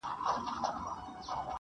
هر طبیب یې په علاج پوري حیران سو-